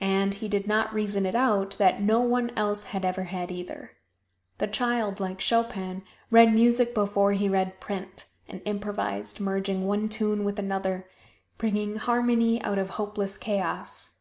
And he did not reason it out that no one else had ever had, either. The child, like Chopin, read music before he read print, and improvised, merging one tune with another, bringing harmony out of hopeless chaos.